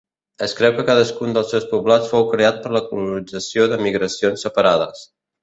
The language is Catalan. Es creu que cadascun dels seus poblats fou creat per la colonització de migracions separades.